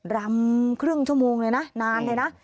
รำครึ่งชั่วโมงเลยนะนานเลยนะ